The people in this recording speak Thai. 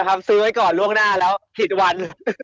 ซื้อไว้ก่อนล่วงหน้าแล้วผิดวัน